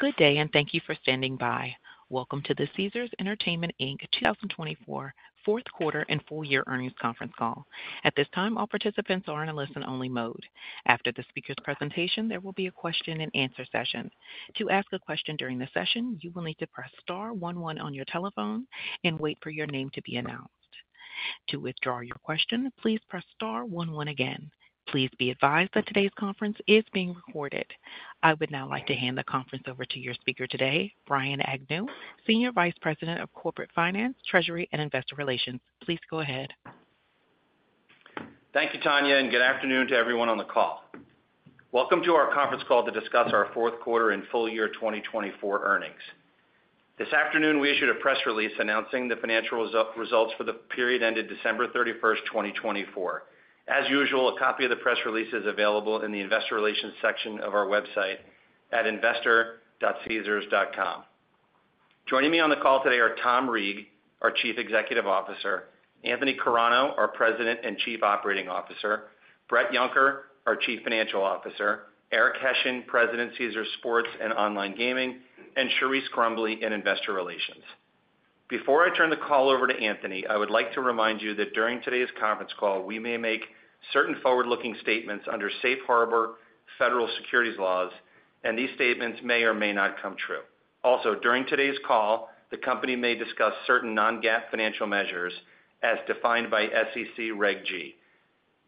Good day, and thank you for standing by. Welcome to the Caesars Entertainment Inc. 2024 Fourth Quarter and Full Year Earnings Conference Call. At this time, all participants are in a listen-only mode. After the speaker's presentation, there will be a question-and-answer session. To ask a question during the session, you will need to press star one one on your telephone and wait for your name to be announced. To withdraw your question, please press star one one again. Please be advised that today's conference is being recorded. I would now like to hand the conference over to your speaker today, Brian Agnew, Senior Vice President of Corporate Finance, Treasury, and Investor Relations. Please go ahead. Thank you, Tonya, and good afternoon to everyone on the call. Welcome to our Conference Call to discuss our Fourth Quarter and Full Year 2024 Earnings. This afternoon, we issued a press release announcing the financial results for the period ended December 31st, 2024. As usual, a copy of the press release is available in the investor relations section of our website at investor.caesars.com. Joining me on the call today are Tom Reeg, our Chief Executive Officer, Anthony Carano, our President and Chief Operating Officer, Bret Yunker, our Chief Financial Officer, Eric Hession, President, Caesars Sports and Online Gaming, and Charise Crumbley in Investor Relations. Before I turn the call over to Anthony, I would like to remind you that during today's conference call, we may make certain forward-looking statements under safe harbor federal securities laws, and these statements may or may not come true. Also, during today's call, the company may discuss certain non-GAAP financial measures as defined by SEC Reg G.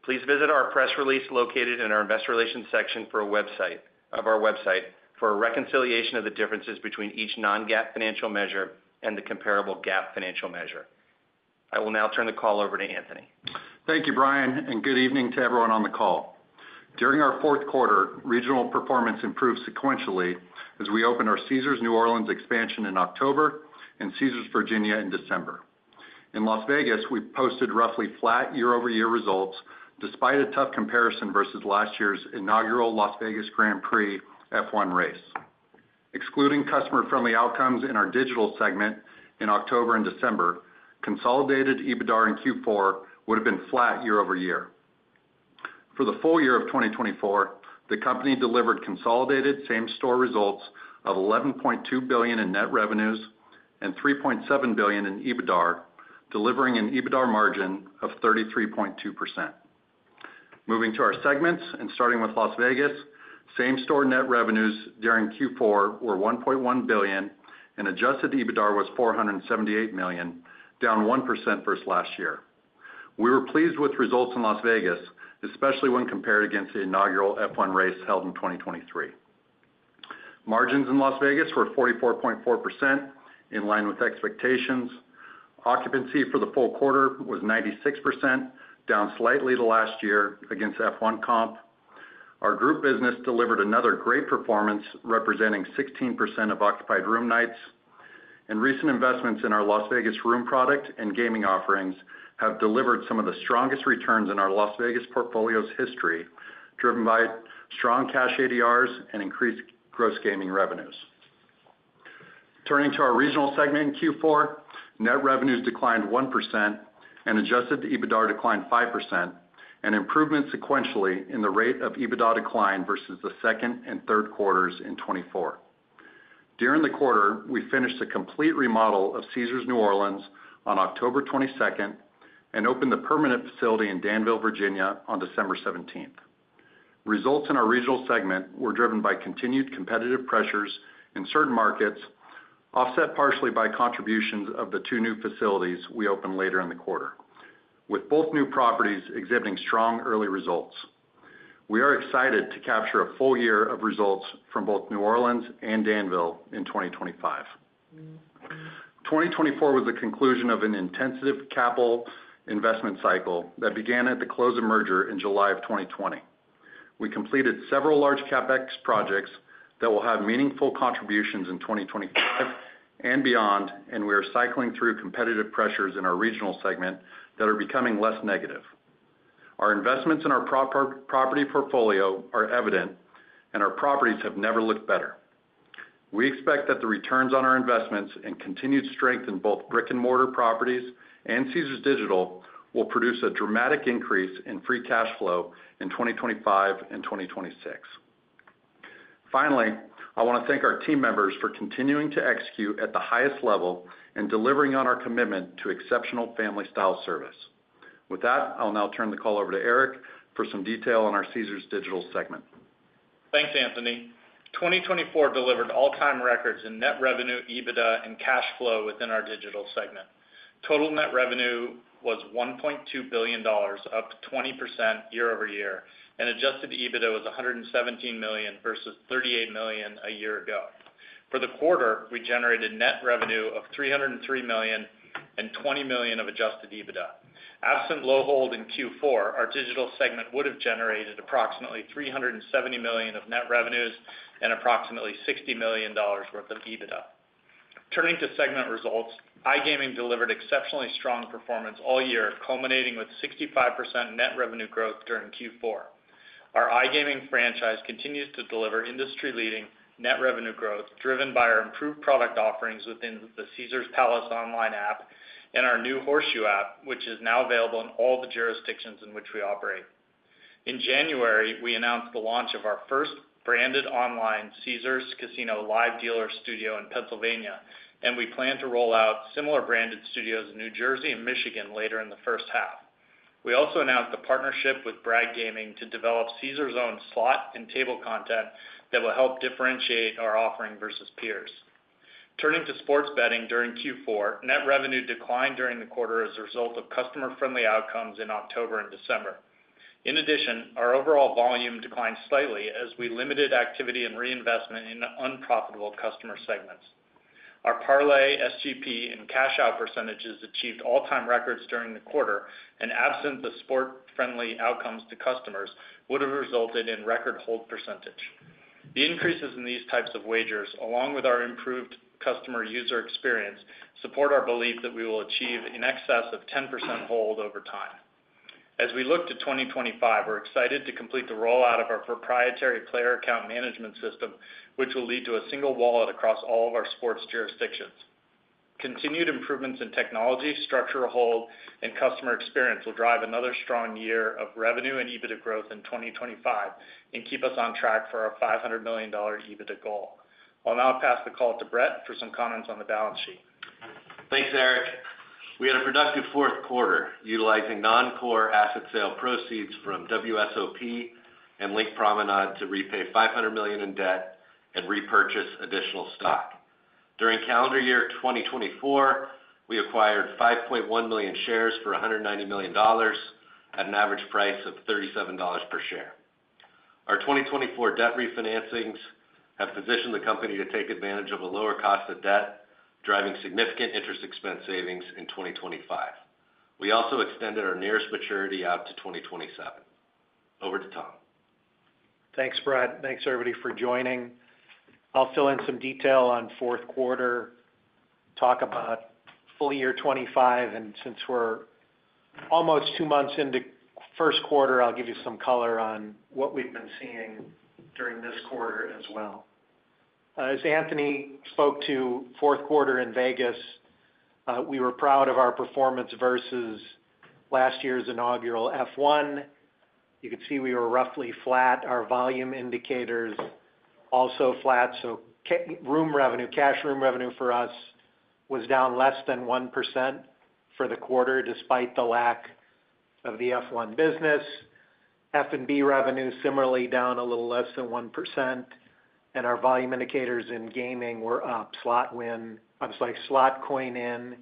Please visit our press release located in our Investor Relations section of our website for a reconciliation of the differences between each non-GAAP financial measure and the comparable GAAP financial measure. I will now turn the call over to Anthony. Thank you, Brian, and good evening to everyone on the call. During our fourth quarter, regional performance improved sequentially as we opened our Caesars New Orleans expansion in October and Caesars Virginia in December. In Las Vegas, we posted roughly flat year-over-year results despite a tough comparison versus last year's inaugural Las Vegas Grand Prix F1 race. Excluding customer-friendly outcomes in our digital segment in October and December, consolidated EBITDA in Q4 would have been flat year-over-year. For the full year of 2024, the company delivered consolidated same-store results of $11.2 billion in net revenues and $3.7 billion in EBITDA, delivering an EBITDA margin of 33.2%. Moving to our segments and starting with Las Vegas, same-store net revenues during Q4 were $1.1 billion, and adjusted EBITDA was $478 million, down 1% versus last year. We were pleased with results in Las Vegas, especially when compared against the inaugural F1 race held in 2023. Margins in Las Vegas were 44.4%, in line with expectations. Occupancy for the full quarter was 96%, down slightly to last year against F1 comp. Our group business delivered another great performance, representing 16% of occupied room nights. And recent investments in our Las Vegas room product and gaming offerings have delivered some of the strongest returns in our Las Vegas portfolio's history, driven by strong cash ADRs and increased gross gaming revenues. Turning to our regional segment in Q4, net revenues declined 1%, and adjusted EBITDA declined 5%, and improvement sequentially in the rate of EBITDA decline versus the second and third quarters in 2024. During the quarter, we finished a complete remodel of Caesars New Orleans on October 22nd and opened the permanent facility in Danville, Virginia, on December 17th. Results in our regional segment were driven by continued competitive pressures in certain markets, offset partially by contributions of the two new facilities we opened later in the quarter, with both new properties exhibiting strong early results. We are excited to capture a full year of results from both New Orleans and Danville in 2025. 2024 was the conclusion of an intensive capital investment cycle that began at the close of merger in July of 2020. We completed several large CapEx projects that will have meaningful contributions in 2025 and beyond, and we are cycling through competitive pressures in our regional segment that are becoming less negative. Our investments in our property portfolio are evident, and our properties have never looked better. We expect that the returns on our investments and continued strength in both brick-and-mortar properties and Caesars Digital will produce a dramatic increase in free cash flow in 2025 and 2026. Finally, I want to thank our team members for continuing to execute at the highest level and delivering on our commitment to exceptional family-style service. With that, I'll now turn the call over to Eric for some detail on our Caesars Digital segment. Thanks, Anthony. 2024 delivered all-time records in net revenue, EBITDA, and cash flow within our digital segment. Total net revenue was $1.2 billion, up 20% year-over-year, and adjusted EBITDA was $117 million versus $38 million a year ago. For the quarter, we generated net revenue of $303 million and $20 million of adjusted EBITDA. Absent low hold in Q4, our digital segment would have generated approximately $370 million of net revenues and approximately $60 million worth of EBITDA. Turning to segment results, iGaming delivered exceptionally strong performance all year, culminating with 65% net revenue growth during Q4. Our iGaming franchise continues to deliver industry-leading net revenue growth, driven by our improved product offerings within the Caesars Palace Online app and our new Horseshoe app, which is now available in all the jurisdictions in which we operate. In January, we announced the launch of our first branded online Caesars Casino Live Dealer Studio in Pennsylvania, and we plan to roll out similar branded studios in New Jersey and Michigan later in the first half. We also announced a partnership with Bragg Gaming to develop Caesars' own slot and table content that will help differentiate our offering versus peers. Turning to sports betting during Q4, net revenue declined during the quarter as a result of customer-friendly outcomes in October and December. In addition, our overall volume declined slightly as we limited activity and reinvestment in unprofitable customer segments. Our parlay, SGP, and cash-out percentages achieved all-time records during the quarter, and absent the customer-friendly outcomes to customers, would have resulted in record hold percentage. The increases in these types of wagers, along with our improved customer user experience, support our belief that we will achieve in excess of 10% hold over time. As we look to 2025, we're excited to complete the rollout of our proprietary player account management system, which will lead to a single wallet across all of our sports jurisdictions. Continued improvements in technology, structural hold, and customer experience will drive another strong year of revenue and EBITDA growth in 2025 and keep us on track for our $500 million EBITDA goal. I'll now pass the call to Bret for some comments on the balance sheet. Thanks, Eric. We had a productive fourth quarter utilizing non-core asset sale proceeds from WSOP and LINQ Promenade to repay $500 million in debt and repurchase additional stock. During calendar year 2024, we acquired 5.1 million shares for $190 million at an average price of $37 per share. Our 2024 debt refinancings have positioned the company to take advantage of a lower cost of debt, driving significant interest expense savings in 2025. We also extended our nearest maturity out to 2027. Over to Tom. Thanks, Bret. Thanks, everybody, for joining. I'll fill in some detail on fourth quarter, talk about full year 2025, and since we're almost two months into first quarter, I'll give you some color on what we've been seeing during this quarter as well. As Anthony spoke to fourth quarter in Vegas, we were proud of our performance versus last year's inaugural F1. You could see we were roughly flat. Our volume indicators also flat. So room revenue, cash room revenue for us was down less than 1% for the quarter despite the lack of the F1 business. F&B revenue similarly down a little less than 1%, and our volume indicators in gaming were up. Slot win, I'm sorry, slot coin-in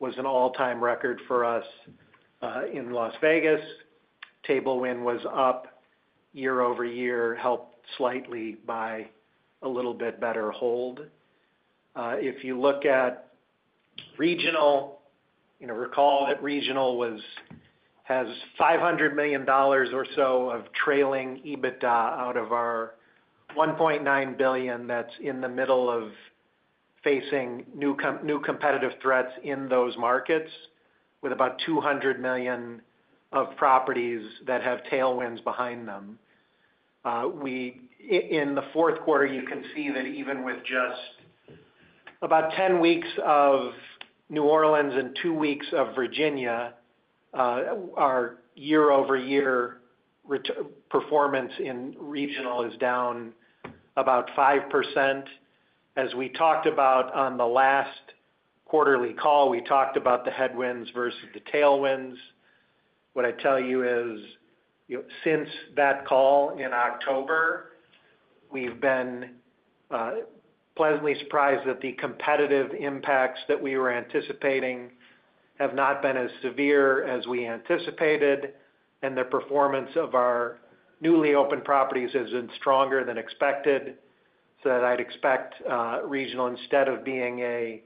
was an all-time record for us in Las Vegas. Table win was up year-over-year, helped slightly by a little bit better hold. If you look at regional, recall that regional has $500 million or so of trailing EBITDA out of our $1.9 billion that's in the middle of facing new competitive threats in those markets, with about $200 million of properties that have tailwinds behind them. In the fourth quarter, you can see that even with just about 10 weeks of New Orleans and two weeks of Virginia, our year-over-year performance in regional is down about 5%. As we talked about on the last quarterly call, we talked about the headwinds versus the tailwinds. What I tell you is, since that call in October, we've been pleasantly surprised that the competitive impacts that we were anticipating have not been as severe as we anticipated, and the performance of our newly opened properties has been stronger than expected. So, I'd expect regional, instead of being a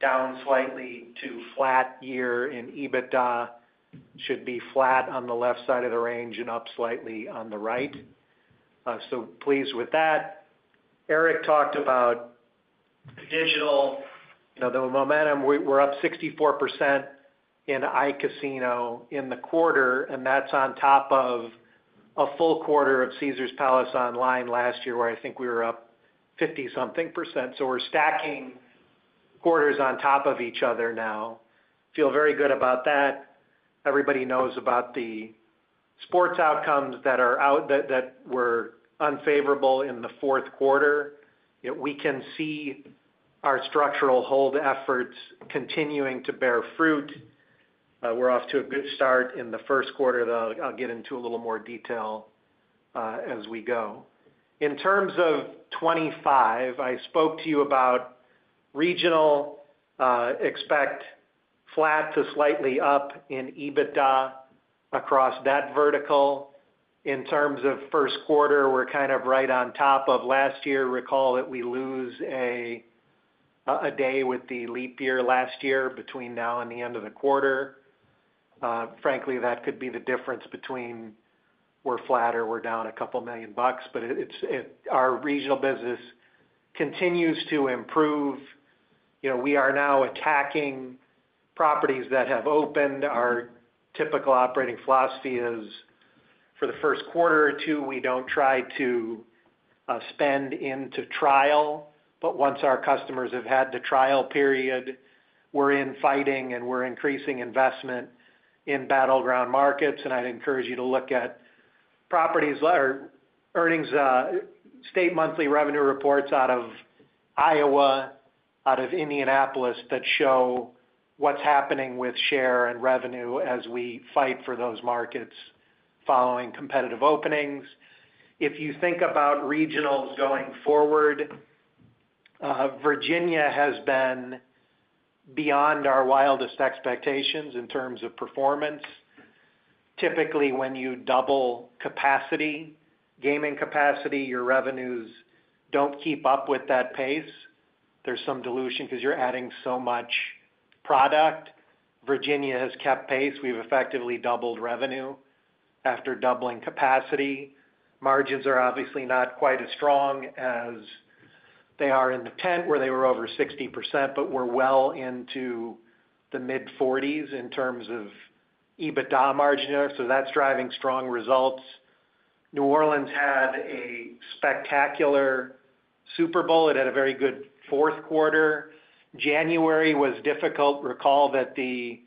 down slightly to flat year in EBITDA, should be flat on the left side of the range and up slightly on the right. So, pleased with that. Eric talked about digital, the momentum. We're up 64% in iCasino in the quarter, and that's on top of a full quarter of Caesars Palace Online last year where I think we were up 50-something%. So, we're stacking quarters on top of each other now. Feel very good about that. Everybody knows about the sports outcomes that were unfavorable in the fourth quarter. We can see our structural hold efforts continuing to bear fruit. We're off to a good start in the first quarter. I'll get into a little more detail as we go. In terms of 2025, I spoke to you about regional. Expect flat to slightly up in EBITDA across that vertical. In terms of first quarter, we're kind of right on top of last year. Recall that we lose a day with the leap year last year between now and the end of the quarter. Frankly, that could be the difference between we're flat or we're down a couple million bucks, but our regional business continues to improve. We are now attacking properties that have opened. Our typical operating philosophy is for the first quarter or two, we don't try to spend into trial, but once our customers have had the trial period, we're in the fight and we're increasing investment in battleground markets. And I'd encourage you to look at properties or earnings, state monthly revenue reports out of Iowa, out of Indianapolis that show what's happening with share and revenue as we fight for those markets following competitive openings. If you think about regionals going forward, Virginia has been beyond our wildest expectations in terms of performance. Typically, when you double capacity, gaming capacity, your revenues don't keep up with that pace. There's some dilution because you're adding so much product. Virginia has kept pace. We've effectively doubled revenue after doubling capacity. Margins are obviously not quite as strong as they are in the tent, where they were over 60%, but we're well into the mid-40s in terms of EBITDA margin there, so that's driving strong results. New Orleans had a spectacular Super Bowl. It had a very good fourth quarter. January was difficult. Recall that the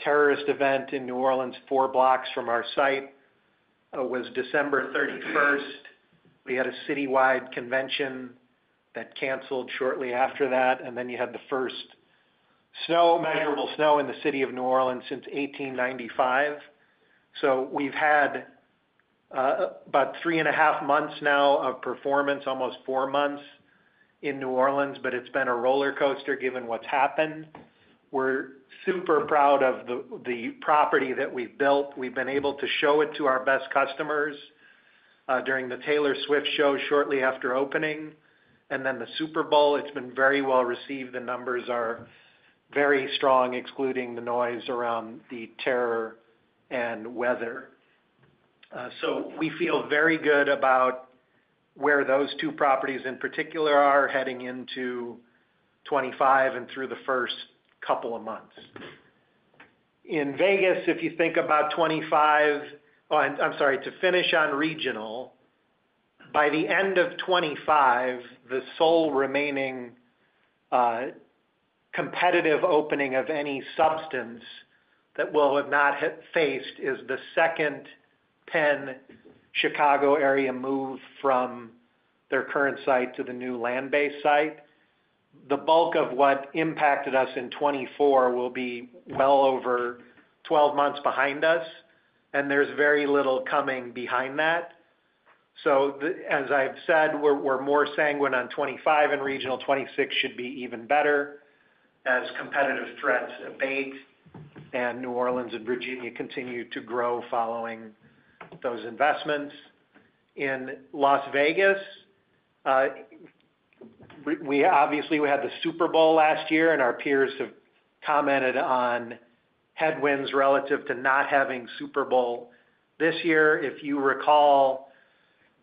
terrorist event in New Orleans, four blocks from our site, was December 31st. We had a citywide convention that canceled shortly after that, and then you had the first measurable snow in the city of New Orleans since 1895. So we've had about three and a half months now of performance, almost four months in New Orleans, but it's been a roller coaster given what's happened. We're super proud of the property that we've built. We've been able to show it to our best customers during the Taylor Swift show shortly after opening, and then the Super Bowl. It's been very well received. The numbers are very strong, excluding the noise around the terror and weather. So we feel very good about where those two properties in particular are heading into 2025 and through the first couple of months. In Vegas, if you think about 2025, oh, I'm sorry, to finish on regional, by the end of 2025, the sole remaining competitive opening of any substance that we'll have not faced is the second Penn Chicago area move from their current site to the new land-based site. The bulk of what impacted us in 2024 will be well over 12 months behind us, and there's very little coming behind that. So as I've said, we're more sanguine on 2025, and regional 2026 should be even better as competitive threats abate and New Orleans and Virginia continue to grow following those investments. In Las Vegas, obviously, we had the Super Bowl last year, and our peers have commented on headwinds relative to not having Super Bowl this year. If you recall,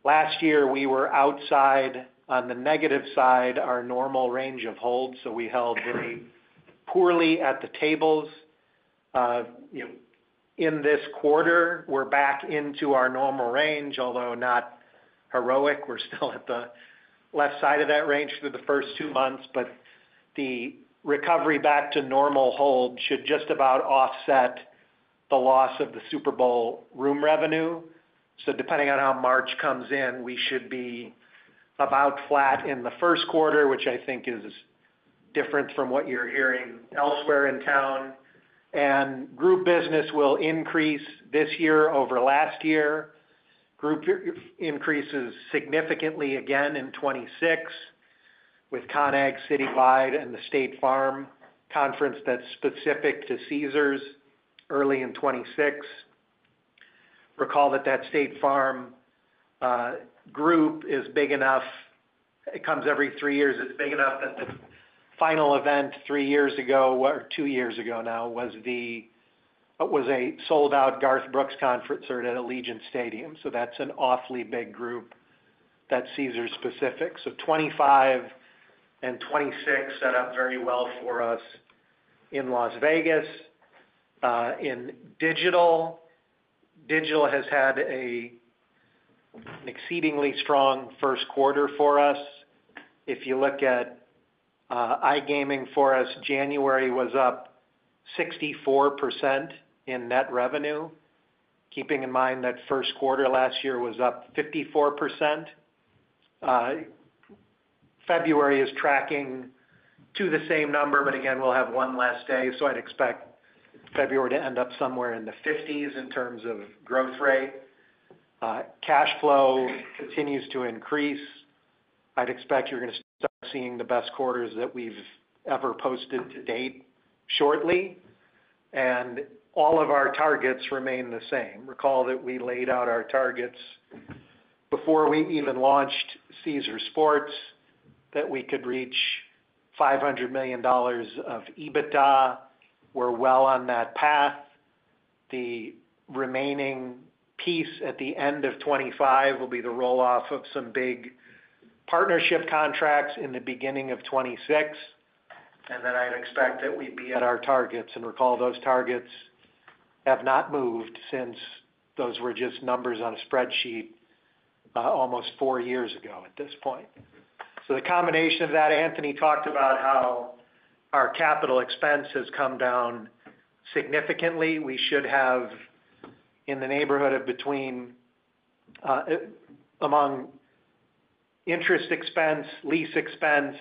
last year, we were outside on the negative side, our normal range of hold, so we held very poorly at the tables. In this quarter, we're back into our normal range, although not heroic. We're still at the left side of that range through the first two months, but the recovery back to normal hold should just about offset the loss of the Super Bowl room revenue. Depending on how March comes in, we should be about flat in the first quarter, which I think is different from what you're hearing elsewhere in town. Group business will increase this year over last year. Group increases significantly again in 2026 with CON/AGG Citywide and the State Farm Conference that's specific to Caesars early in 2026. Recall that that State Farm group is big enough. It comes every three years. It's big enough that the final event three years ago, or two years ago now, was a sold-out Garth Brooks concert at Allegiant Stadium. That's an awfully big group that's Caesars-specific. 2025 and 2026 set up very well for us in Las Vegas. In digital, digital has had an exceedingly strong first quarter for us. If you look at iGaming for us, January was up 64% in net revenue, keeping in mind that first quarter last year was up 54%. February is tracking to the same number, but again, we'll have one last day, so I'd expect February to end up somewhere in the 50s in terms of growth rate. Cash flow continues to increase. I'd expect you're going to start seeing the best quarters that we've ever posted to date shortly. And all of our targets remain the same. Recall that we laid out our targets before we even launched Caesars Sports, that we could reach $500 million of EBITDA. We're well on that path. The remaining piece at the end of 2025 will be the rolloff of some big partnership contracts in the beginning of 2026. And then I'd expect that we'd be at our targets. And recall those targets have not moved since those were just numbers on a spreadsheet almost four years ago at this point. So the combination of that, Anthony talked about how our capital expense has come down significantly. We should have in the neighborhood of between among interest expense, lease expense,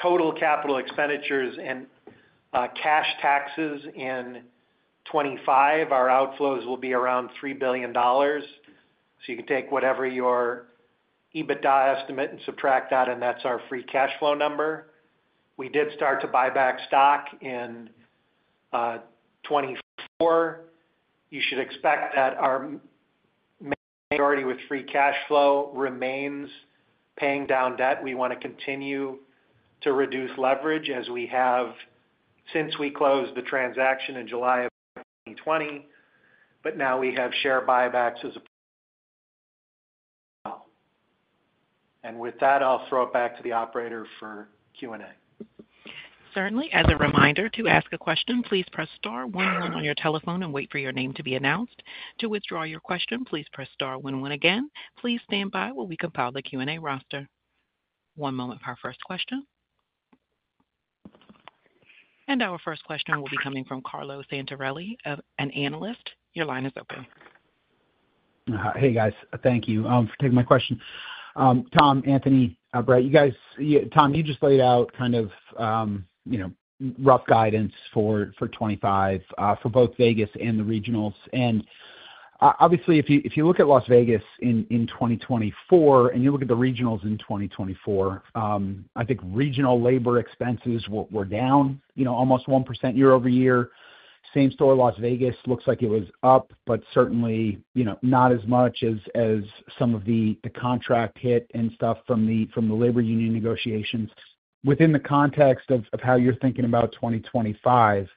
total capital expenditures, and cash taxes in 2025, our outflows will be around $3 billion. So you can take whatever your EBITDA estimate and subtract that, and that's our free cash flow number. We did start to buy back stock in 2024. You should expect that our majority with free cash flow remains paying down debt. We want to continue to reduce leverage as we have since we closed the transaction in July of 2020, but now we have share buybacks as well. And with that, I'll throw it back to the operator for Q&A. Certainly. As a reminder, to ask a question, please press star 11 on your telephone and wait for your name to be announced. To withdraw your question, please press star 11 again. Please stand by while we compile the Q&A roster. One moment for our first question, and our first question will be coming from Carlo Santarelli, an analyst. Your line is open. Hey, guys. Thank you for taking my question. Tom, Anthony, Bret, you guys, Tom, you just laid out kind of rough guidance for 2025 for both Vegas and the regionals, and obviously, if you look at Las Vegas in 2024 and you look at the regionals in 2024, I think regional labor expenses were down almost 1% year over year. Same story, Las Vegas looks like it was up, but certainly not as much as some of the contract hit and stuff from the labor union negotiations. Within the context of how you're thinking about 2025,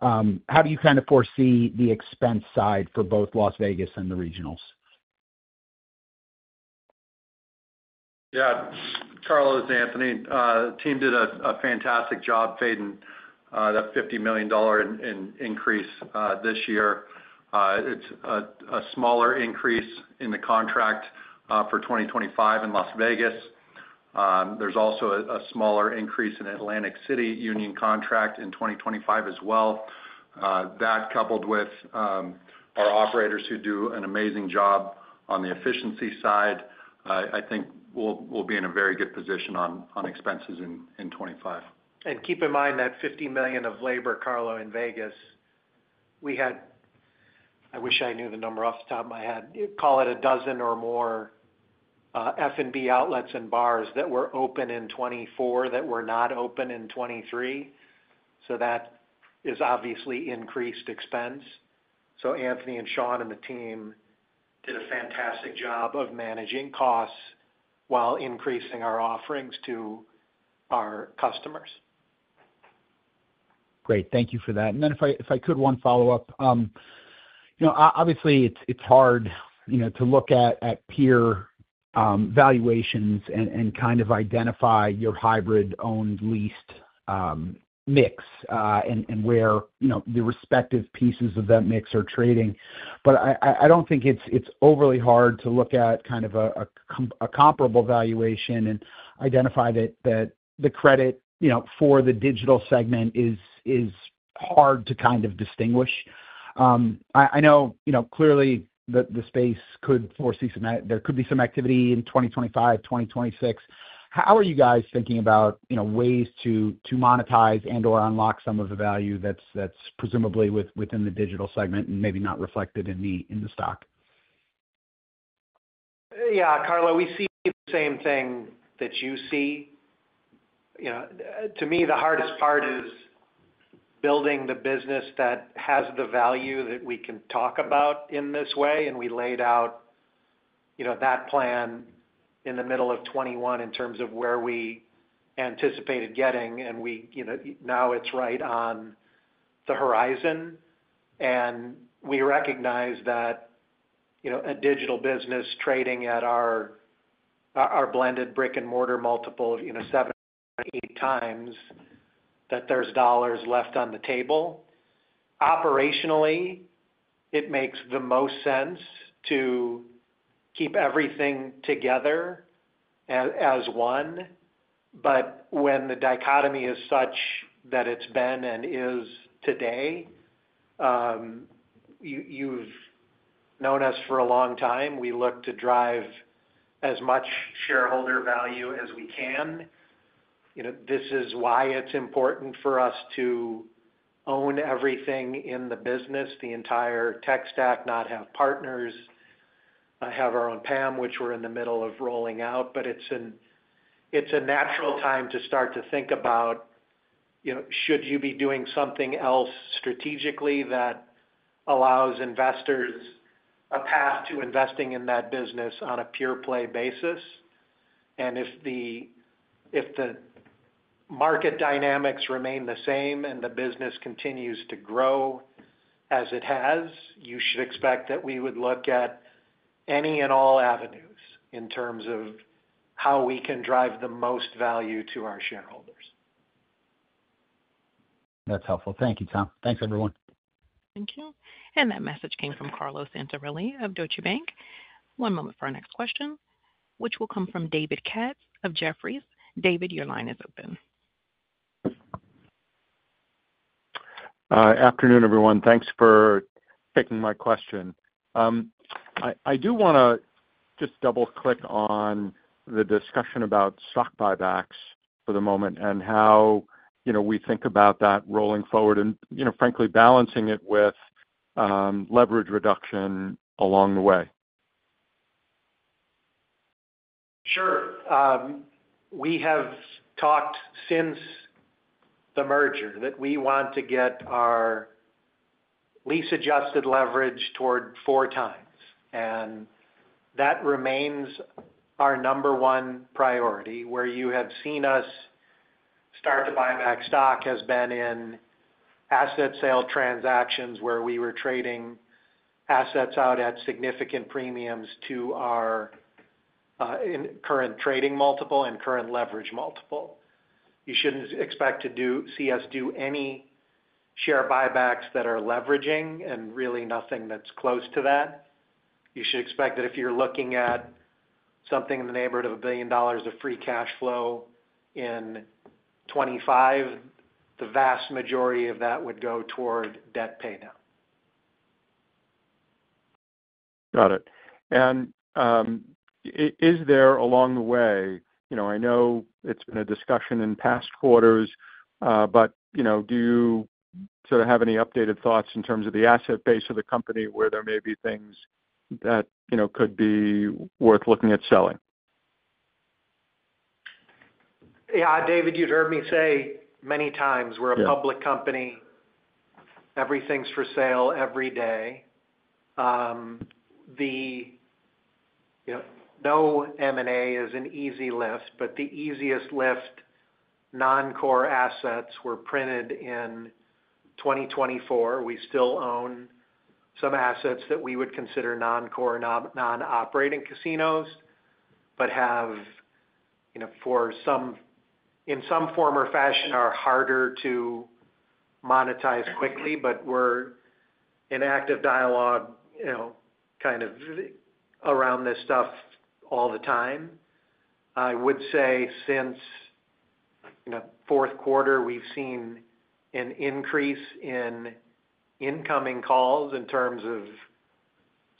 how do you kind of foresee the expense side for both Las Vegas and the regionals? Yeah. Carlo, Anthony, the team did a fantastic job fading that $50 million increase this year. It's a smaller increase in the contract for 2025 in Las Vegas. There's also a smaller increase in Atlantic City union contract in 2025 as well. That, coupled with our operators who do an amazing job on the efficiency side, I think we'll be in a very good position on expenses in 2025. And keep in mind that $50 million of labor, Carlo, in Vegas, we had—I wish I knew the number off the top of my head—call it a dozen or more F&B outlets and bars that were open in 2024 that were not open in 2023. So that is obviously increased expense. Anthony and Sean and the team did a fantastic job of managing costs while increasing our offerings to our customers. Great. Thank you for that. Then if I could, one follow-up. Obviously, it's hard to look at peer valuations and kind of identify your hybrid-owned leased mix and where the respective pieces of that mix are trading. But I don't think it's overly hard to look at kind of a comparable valuation and identify that the credit for the digital segment is hard to kind of distinguish. I know clearly that the space could foresee some. There could be some activity in 2025, 2026. How are you guys thinking about ways to monetize and/or unlock some of the value that's presumably within the digital segment and maybe not reflected in the stock? Yeah. Carlo, we see the same thing that you see. To me, the hardest part is building the business that has the value that we can talk about in this way. And we laid out that plan in the middle of 2021 in terms of where we anticipated getting, and now it's right on the horizon. And we recognize that a digital business trading at our blended brick-and-mortar multiple of seven or eight times, that there's dollars left on the table. Operationally, it makes the most sense to keep everything together as one. But when the dichotomy is such that it's been and is today, you've known us for a long time. We look to drive as much shareholder value as we can. This is why it's important for us to own everything in the business, the entire tech stack, not have partners, have our own PAM, which we're in the middle of rolling out. But it's a natural time to start to think about, should you be doing something else strategically that allows investors a path to investing in that business on a pure-play basis? And if the market dynamics remain the same and the business continues to grow as it has, you should expect that we would look at any and all avenues in terms of how we can drive the most value to our shareholders. That's helpful. Thank you, Tom. Thanks, everyone. Thank you. And that message came from Carlo Santarelli of Deutsche Bank. One moment for our next question, which will come from David Katz of Jefferies. David, your line is open. Afternoon, everyone. Thanks for taking my question. I do want to just double-click on the discussion about stock buybacks for the moment and how we think about that rolling forward and, frankly, balancing it with leverage reduction along the way. Sure. We have talked since the merger that we want to get our lease-adjusted leverage toward four times. And that remains our number one priority. Where you have seen us start to buy back stock has been in asset sale transactions where we were trading assets out at significant premiums to our current trading multiple and current leverage multiple. You shouldn't expect to see us do any share buybacks that are leveraging and really nothing that's close to that. You should expect that if you're looking at something in the neighborhood of $1 billion of free cash flow in 2025, the vast majority of that would go toward debt paydown. Got it. And is there along the way? I know it's been a discussion in past quarters, but do you sort of have any updated thoughts in terms of the asset base of the company where there may be things that could be worth looking at selling? Yeah. David, you'd heard me say many times we're a public company. Everything's for sale every day. No M&A is an easy lift, but the easiest lift, non-core assets were printed in 2024. We still own some assets that we would consider non-core, non-operating casinos, but have for some in some form or fashion are harder to monetize quickly. But we're in active dialogue kind of around this stuff all the time. I would say since fourth quarter, we've seen an increase in incoming calls in terms of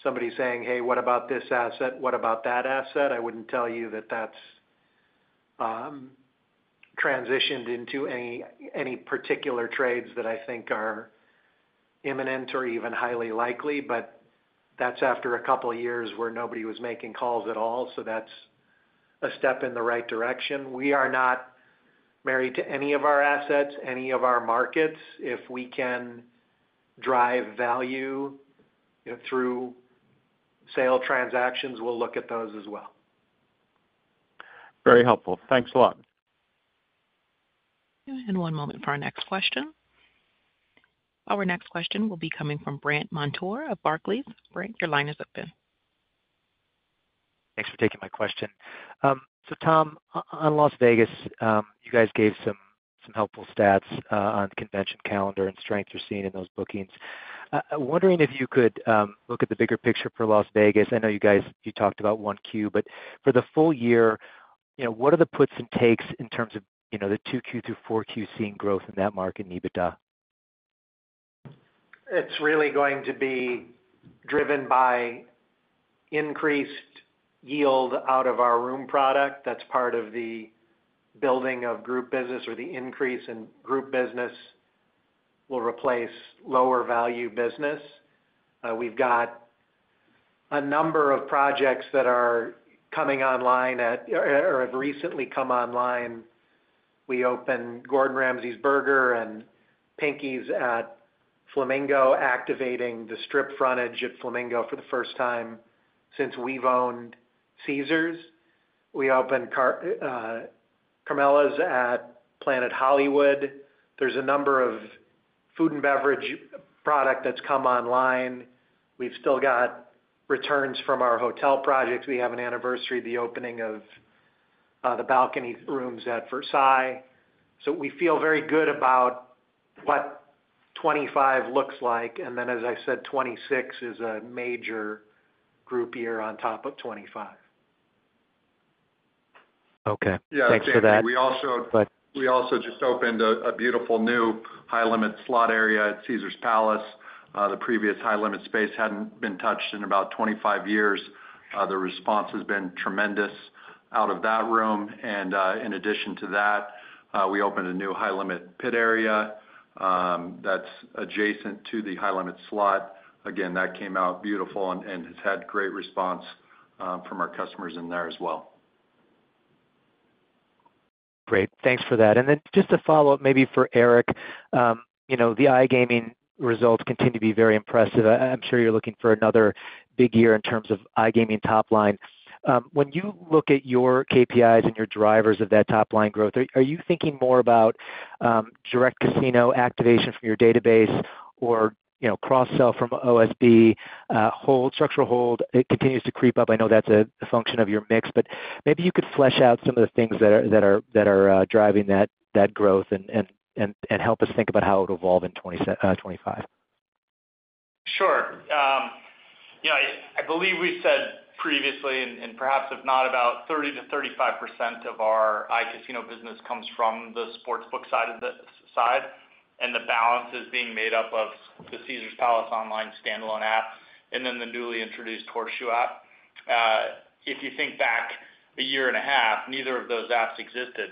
somebody saying, "Hey, what about this asset? What about that asset?" I wouldn't tell you that that's transitioned into any particular trades that I think are imminent or even highly likely, but that's after a couple of years where nobody was making calls at all. So that's a step in the right direction. We are not married to any of our assets, any of our markets. If we can drive value through sale transactions, we'll look at those as well. Very helpful. Thanks a lot. And one moment for our next question. Our next question will be coming from Brandt Montour of Barclays. Brandt, your line is open. Thanks for taking my question. So Tom, on Las Vegas, you guys gave some helpful stats on the convention calendar and strength you're seeing in those bookings. I'm wondering if you could look at the bigger picture for Las Vegas. I know you talked about 1Q, but for the full year, what are the puts and takes in terms of the 2Q through 4Q seeing growth in that market in EBITDA? It's really going to be driven by increased yield out of our room product. That's part of the building of group business or the increase in group business will replace lower value business. We've got a number of projects that are coming online or have recently come online. We opened Gordon Ramsay Burger and Pinky's at Flamingo, activating the strip frontage at Flamingo for the first time since we've owned Caesars. We opened Carmine's at Planet Hollywood. There's a number of food and beverage product that's come online. We've still got returns from our hotel projects. We have an anniversary, the opening of the balcony rooms at Versailles. So we feel very good about what 2025 looks like. And then, as I said, 2026 is a major growth year on top of 2025. Okay. Thanks for that. We also just opened a beautiful new high-limit slot area at Caesars Palace. The previous high-limit space hadn't been touched in about 25 years. The response has been tremendous out of that room. And in addition to that, we opened a new high-limit pit area that's adjacent to the high-limit slot. Again, that came out beautiful and has had great response from our customers in there as well. Great. Thanks for that. And then just to follow up maybe for Eric, the iGaming results continue to be very impressive. I'm sure you're looking for another big year in terms of iGaming top line. When you look at your KPIs and your drivers of that top line growth, are you thinking more about direct casino activation from your database or cross-sell from OSB? Hold, structural hold, it continues to creep up. I know that's a function of your mix, but maybe you could flesh out some of the things that are driving that growth and help us think about how it will evolve in 2025. Sure. I believe we said previously, and perhaps if not, about 30%-35% of our iCasino business comes from the sportsbook side and the balance is being made up of the Caesars Palace Online standalone app and then the newly introduced Horseshoe app. If you think back a year and a half, neither of those apps existed.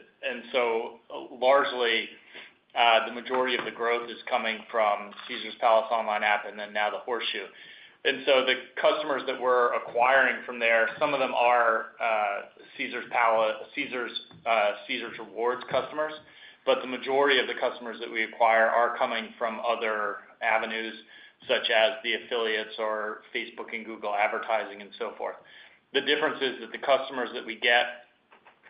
So largely, the majority of the growth is coming from Caesars Palace Online app and then now the Horseshoe. The customers that we're acquiring from there, some of them are Caesars Rewards customers, but the majority of the customers that we acquire are coming from other avenues such as the affiliates or Facebook and Google advertising and so forth. The difference is that the customers that we get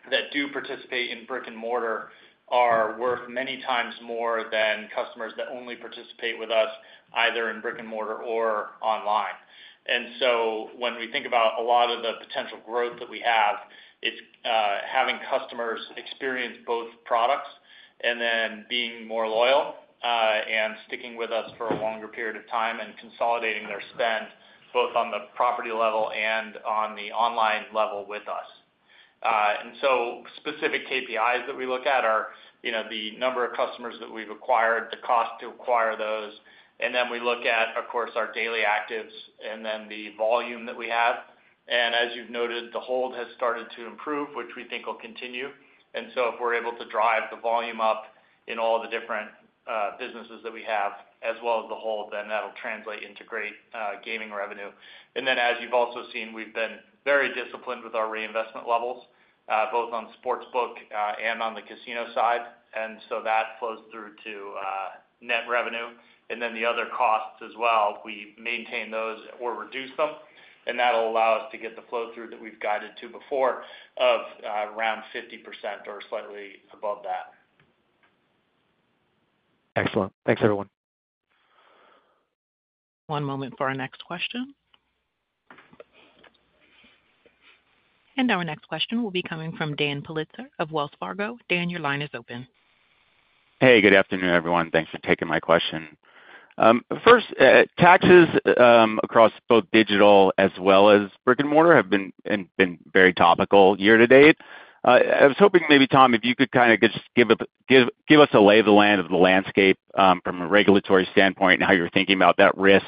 that do participate in brick and mortar are worth many times more than customers that only participate with us either in brick and mortar or online. When we think about a lot of the potential growth that we have, it's having customers experience both products and then being more loyal and sticking with us for a longer period of time and consolidating their spend both on the property level and on the online level with us. Specific KPIs that we look at are the number of customers that we've acquired, the cost to acquire those. Then we look at, of course, our daily actives and then the volume that we have. And as you've noted, the hold has started to improve, which we think will continue. And so if we're able to drive the volume up in all the different businesses that we have as well as the hold, then that'll translate into great gaming revenue. And then, as you've also seen, we've been very disciplined with our reinvestment levels both on sportsbook and on the casino side. And so that flows through to net revenue. And then the other costs as well, we maintain those or reduce them. And that'll allow us to get the flow through that we've guided to before of around 50% or slightly above that. Excellent. Thanks, everyone. One moment for our next question. And our next question will be coming from Dan Politzer of Wells Fargo. Dan, your line is open. Hey, good afternoon, everyone. Thanks for taking my question. First, taxes across both digital as well as brick and mortar have been very topical year to date. I was hoping maybe, Tom, if you could kind of just give us a lay of the land of the landscape from a regulatory standpoint and how you're thinking about that risk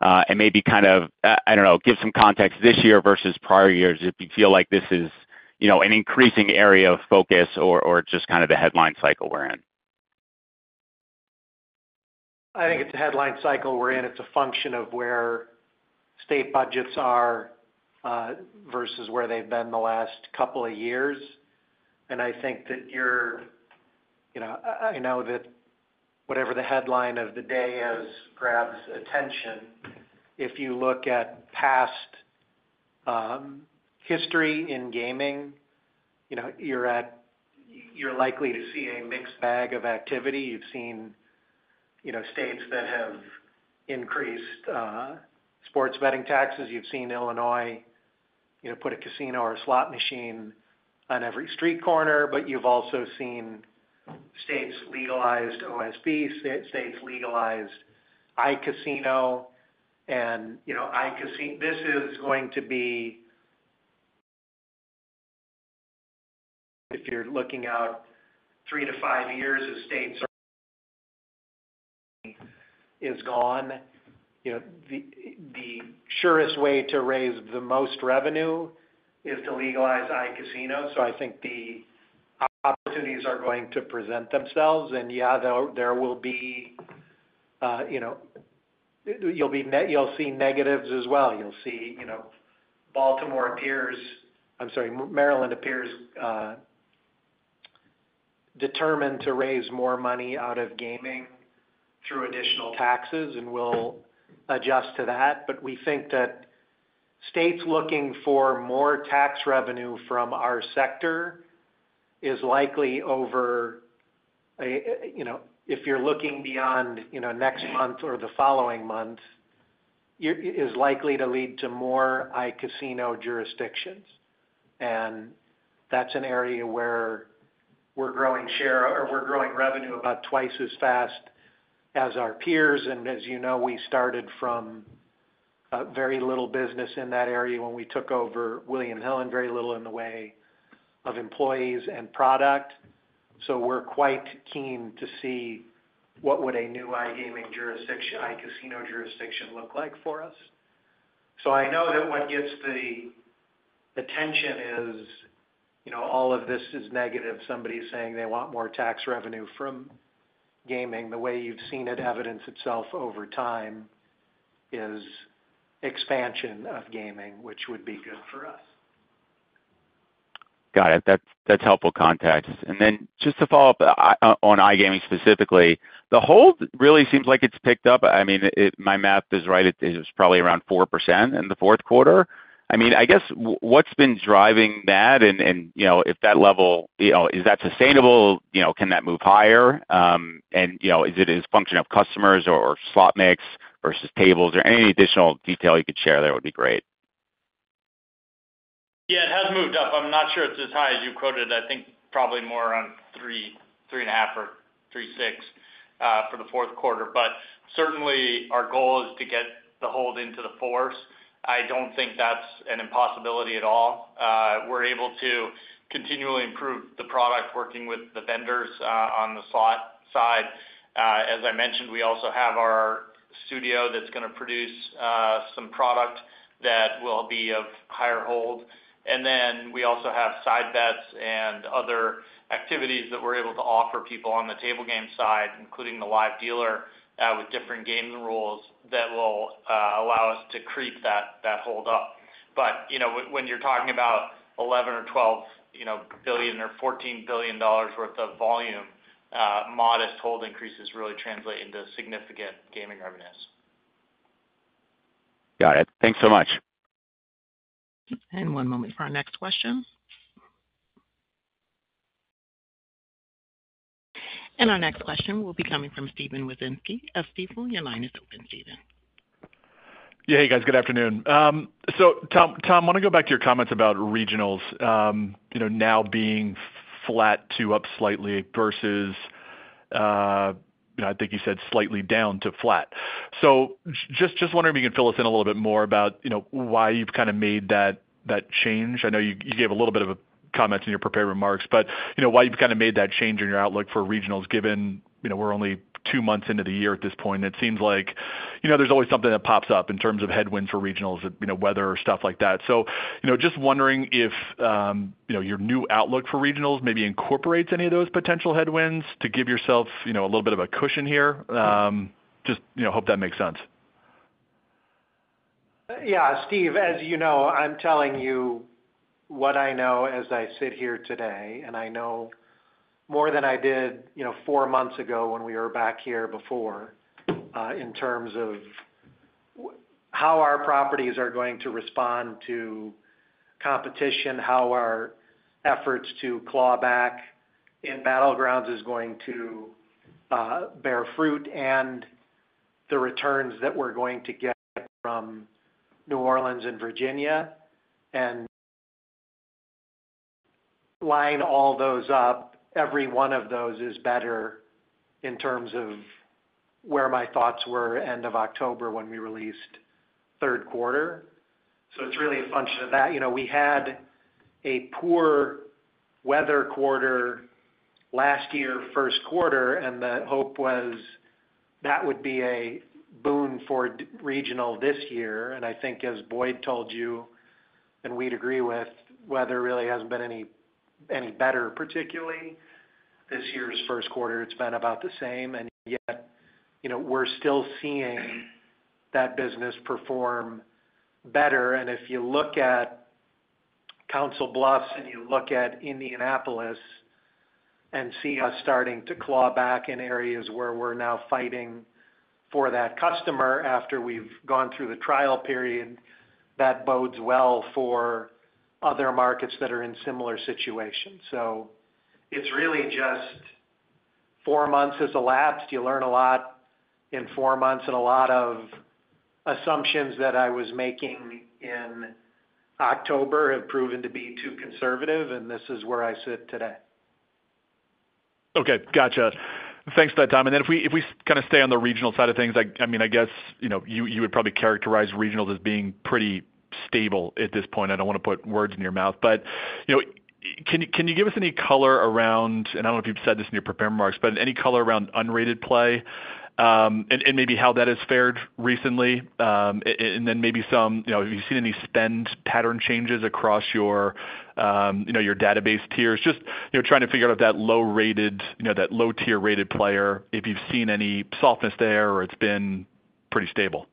and maybe kind of, I don't know, give some context this year versus prior years if you feel like this is an increasing area of focus or just kind of the headline cycle we're in. I think it's a headline cycle we're in. It's a function of where state budgets are versus where they've been the last couple of years. And I think that you're I know that whatever the headline of the day is grabs attention. If you look at past history in gaming, you're likely to see a mixed bag of activity. You've seen states that have increased sports betting taxes. You've seen Illinois put a casino or a slot machine on every street corner, but you've also seen states legalize OSB, states legalize iCasino. And this is going to be, if you're looking out three to five years as states are gone, the surest way to raise the most revenue is to legalize iCasino. So I think the opportunities are going to present themselves. And yeah, there will be, you'll see, negatives as well. You'll see Baltimore appears. I'm sorry, Maryland appears determined to raise more money out of gaming through additional taxes and will adjust to that. But we think that states looking for more tax revenue from our sector is likely over if you're looking beyond next month or the following month, is likely to lead to more iCasino jurisdictions, and that's an area where we're growing share or we're growing revenue about twice as fast as our peers, and as you know, we started from very little business in that area when we took over William Hill and very little in the way of employees and product, so we're quite keen to see what would a new iCasino jurisdiction look like for us, so I know that what gets the attention is all of this is negative. Somebody's saying they want more tax revenue from gaming. The way you've seen it evidence itself over time is expansion of gaming, which would be good for us. Got it. That's helpful context. Then just to follow up on iGaming specifically, the hold really seems like it's picked up. I mean, if my math is right, it was probably around 4% in the fourth quarter. I mean, I guess what's been driving that and if that level is sustainable? Can that move higher? And is it a function of customers or slot mix versus tables or any additional detail you could share there would be great. Yeah, it has moved up. I'm not sure it's as high as you quoted. I think probably more like 3.5% or 3.6% for the fourth quarter. But certainly, our goal is to get the hold into the fours. I don't think that's an impossibility at all. We're able to continually improve the product working with the vendors on the slot side. As I mentioned, we also have our studio that's going to produce some product that will be of higher hold. And then we also have side bets and other activities that we're able to offer people on the table game side, including the live dealer with different game rules that will allow us to creep that hold up. But when you're talking about $11 billion or $12 billion or $14 billion worth of volume, modest hold increases really translate into significant gaming revenues. Got it. Thanks so much. And one moment for our next question. And our next question will be coming from Steven Wieczynski. Steven, your line is open, Steven. Yeah, hey guys, good afternoon. So Tom, I want to go back to your comments about regionals now being flat to up slightly versus I think you said slightly down to flat. So just wondering if you can fill us in a little bit more about why you've kind of made that change? I know you gave a little bit of comments in your prepared remarks, but why you've kind of made that change in your outlook for regionals given we're only two months into the year at this point. It seems like there's always something that pops up in terms of headwinds for regionals, weather, stuff like that. So just wondering if your new outlook for regionals maybe incorporates any of those potential headwinds to give yourself a little bit of a cushion here. Just hope that makes sense. Yeah, Steve, as you know, I'm telling you what I know as I sit here today, and I know more than I did four months ago when we were back here before in terms of how our properties are going to respond to competition, how our efforts to claw back in battlegrounds is going to bear fruit, and the returns that we're going to get from New Orleans and Virginia, and line all those up, every one of those is better in terms of where my thoughts were end of October when we released third quarter, so it's really a function of that, we had a poor weather quarter last year, first quarter, and the hope was that would be a boon for regional this year, and I think, as Boyd told you, and we'd agree with, weather really hasn't been any better, particularly this year's first quarter. It's been about the same. And yet, we're still seeing that business perform better. And if you look at Council Bluffs and you look at Indianapolis and see us starting to claw back in areas where we're now fighting for that customer after we've gone through the trial period, that bodes well for other markets that are in similar situations. So it's really just four months has elapsed. You learn a lot in four months, and a lot of assumptions that I was making in October have proven to be too conservative, and this is where I sit today. Okay. Gotcha. Thanks for that, Tom. And then if we kind of stay on the regional side of things, I mean, I guess you would probably characterize regionals as being pretty stable at this point. I don't want to put words in your mouth, but can you give us any color around, and I don't know if you've said this in your prepared remarks, but any color around unrated play and maybe how that has fared recently? And then maybe some, have you seen any spend pattern changes across your database tiers? Just trying to figure out if that low-rated, that low-tier rated player, if you've seen any softness there or it's been pretty stable.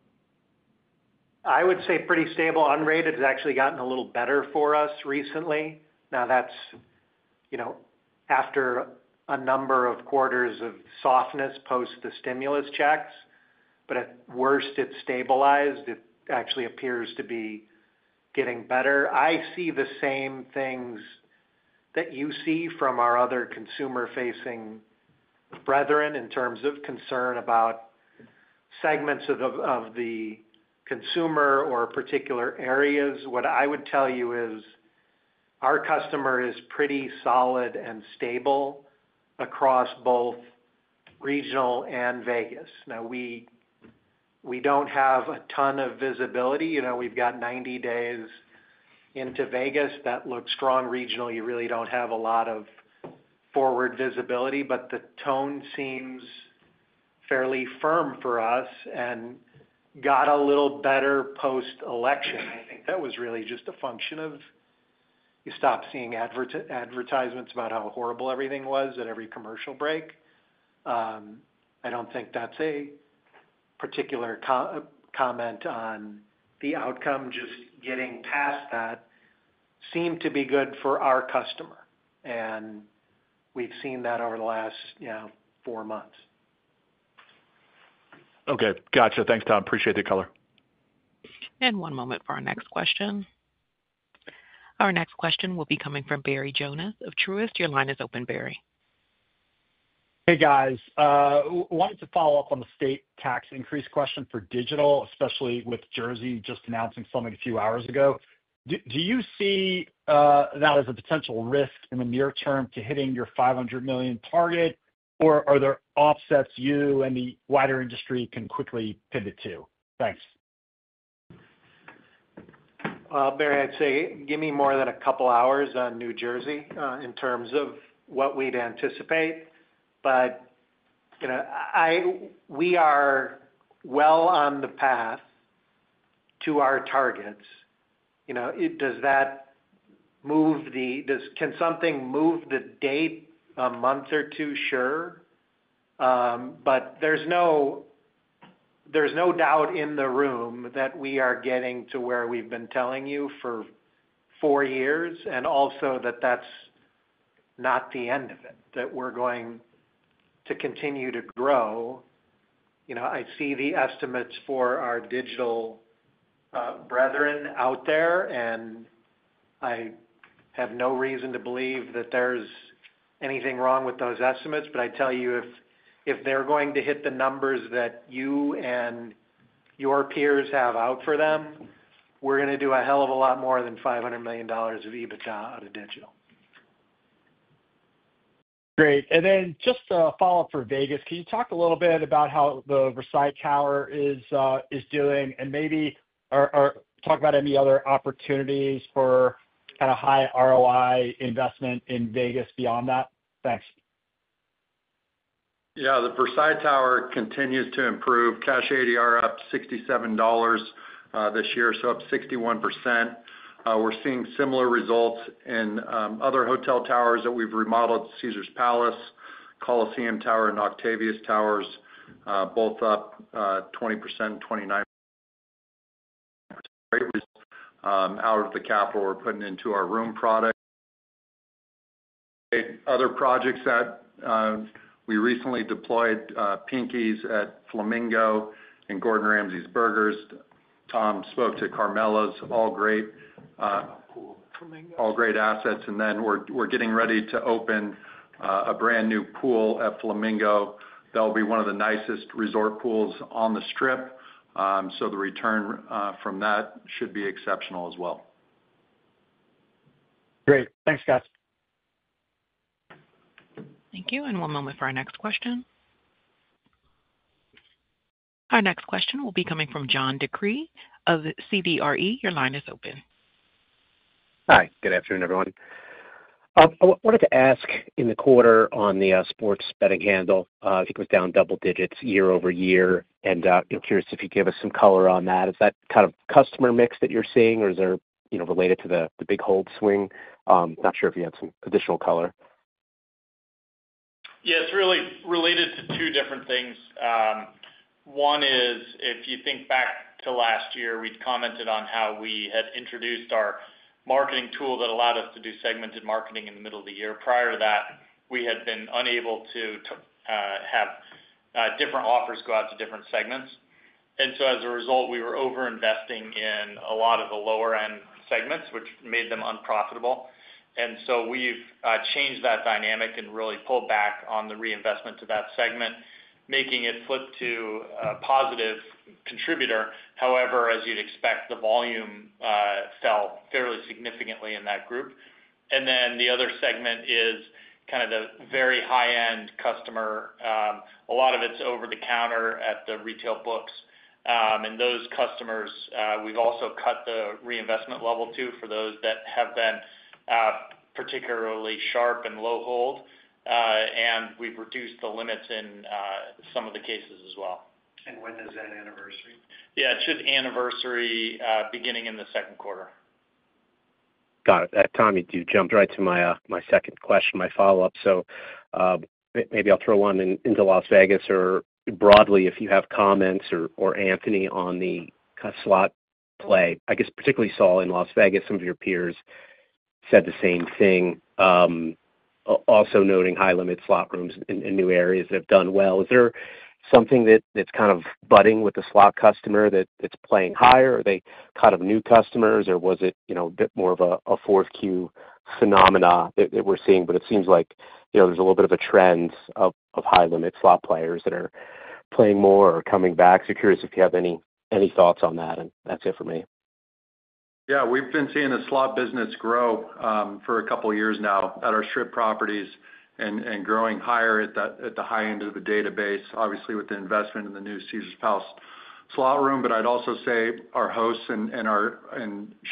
I would say pretty stable. Unrated has actually gotten a little better for us recently. Now, that's after a number of quarters of softness post the stimulus checks, but at worst, it's stabilized. It actually appears to be getting better. I see the same things that you see from our other consumer-facing brethren in terms of concern about segments of the consumer or particular areas. What I would tell you is our customer is pretty solid and stable across both regional and Vegas. Now, we don't have a ton of visibility. We've got 90 days into Vegas that look strong. Regional, you really don't have a lot of forward visibility, but the tone seems fairly firm for us and got a little better post-election. I think that was really just a function of you stopped seeing advertisements about how horrible everything was at every commercial break. I don't think that's a particular comment on the outcome. Just getting past that seemed to be good for our customer, and we've seen that over the last four months. Okay. Gotcha. Thanks, Tom. Appreciate the color. And one moment for our next question. Our next question will be coming from Barry Jonas of Truist. Your line is open, Barry. Hey, guys. I wanted to follow up on the state tax increase question for digital, especially with Jersey just announcing something a few hours ago. Do you see that as a potential risk in the near term to hitting your $500 million target, or are there offsets you and the wider industry can quickly pivot to? Thanks. Barry, I'd say give me more than a couple of hours on New Jersey in terms of what we'd anticipate, but we are well on the path to our targets. Does that kick the can down the road a month or two? Sure. But there's no doubt in the room that we are getting to where we've been telling you for four years and also that that's not the end of it, that we're going to continue to grow. I see the estimates for our digital brethren out there, and I have no reason to believe that there's anything wrong with those estimates. But I tell you, if they're going to hit the numbers that you and your peers have out for them, we're going to do a hell of a lot more than $500 million of EBITDA out of digital. Great. And then just a follow-up for Vegas. Can you talk a little bit about how the Versailles Tower is doing and maybe talk about any other opportunities for kind of high ROI investment in Vegas beyond that? Thanks. Yeah. The Versailles Tower continues to improve. Cash ADR up $67 this year, so up 61%. We're seeing similar results in other hotel towers that we've remodeled: Caesars Palace, Colosseum Tower, and Octavius Towers, both up 20% and 29%. Out of the capital, we're putting into our room product. Other projects that we recently deployed: Pinky's at Flamingo and Gordon Ramsay Burger. Tom spoke to Carmella's. All great. All great assets. And then we're getting ready to open a brand new pool at Flamingo. That'll be one of the nicest resort pools on the Strip. So the return from that should be exceptional as well. Great. Thanks, guys. Thank you. And one moment for our next question. Our next question will be coming from John DeCree of CBRE. Your line is open. Hi. Good afternoon, everyone. I wanted to ask in the quarter on the sports betting handle, I think it was down double digits year over year, and curious if you'd give us some color on that. Is that kind of customer mix that you're seeing, or is there related to the big hold swing? Not sure if you had some additional color. Yeah, it's really related to two different things. One is, if you think back to last year, we'd commented on how we had introduced our marketing tool that allowed us to do segmented marketing in the middle of the year. Prior to that, we had been unable to have different offers go out to different segments. And so, as a result, we were over-investing in a lot of the lower-end segments, which made them unprofitable. And so we've changed that dynamic and really pulled back on the reinvestment to that segment, making it flip to a positive contributor. However, as you'd expect, the volume fell fairly significantly in that group. And then the other segment is kind of the very high-end customer. A lot of it's over the counter at the retail books. And those customers, we've also cut the reinvestment level too for those that have been particularly sharp and low hold, and we've reduced the limits in some of the cases as well. And when is that anniversary? Yeah, it should anniversary beginning in the second quarter. Got it. Tom, you jumped right to my second question, my follow-up. So maybe I'll throw one into Las Vegas or broadly, if you have comments or Anthony on the slot play. I guess, particularly what I saw in Las Vegas, some of your peers said the same thing, also noting high-limit slot rooms in new areas that have done well. Is there something that's kind of budding with the slot customer that it's playing higher? Are they kind of new customers, or was it a bit more of a fourth quarter phenomenon that we're seeing? But it seems like there's a little bit of a trend of high-limit slot players that are playing more or coming back. So curious if you have any thoughts on that. And that's it for me. Yeah. We've been seeing the slot business grow for a couple of years now at our Strip properties and growing higher at the high end of the database, obviously with the investment in the new Caesars Palace slot room. But I'd also say our hosts and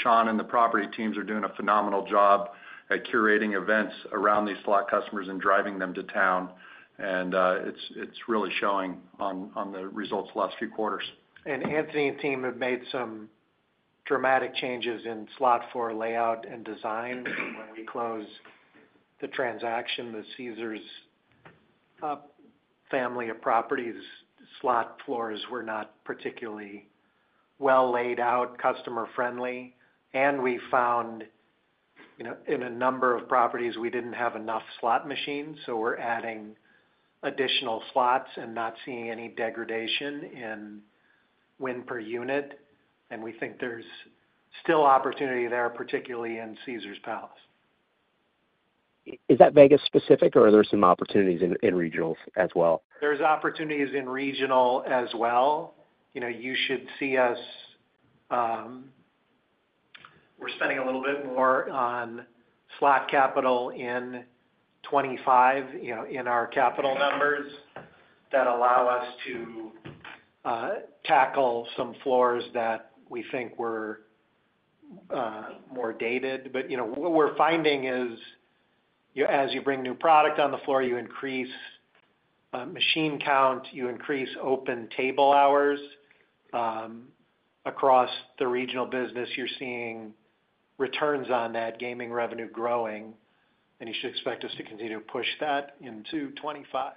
Sean and the property teams are doing a phenomenal job at curating events around these slot customers and driving them to town. And it's really showing on the results last few quarters. And Anthony and team have made some dramatic changes in slot floor layout and design. When we close the transaction, the Caesars family of properties, slot floors were not particularly well laid out, customer-friendly. And we found in a number of properties, we didn't have enough slot machines, so we're adding additional slots and not seeing any degradation in win per unit. And we think there's still opportunity there, particularly in Caesars Palace. Is that Vegas specific, or are there some opportunities in regionals as well? There's opportunities in regional as well. You should see us. We're spending a little bit more on slot capital in 2025 in our capital numbers that allow us to tackle some floors that we think were more dated. But what we're finding is, as you bring new product on the floor, you increase machine count, you increase open table hours across the regional business. You're seeing returns on that gaming revenue growing, and you should expect us to continue to push that into 2025.